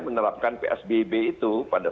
menerapkan psbb itu pada